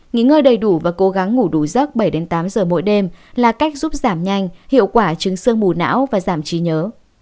nghỉ ngơi đầy đủ và cố gắng ngủ đủ giấc bảy tám giờ mỗi đêm là cách giúp giảm nhanh hiệu quả trứng sương mù não và giảm trí nhớ